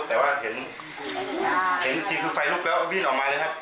แต่ว่าเห็นที่คือไฟลูกก็วิ่งออกมาเลยครับ